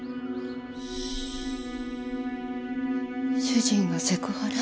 主人がセクハラ？